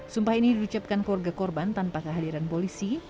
sumpah ini diucapkan keluarga korban tanpa kehadiran polisi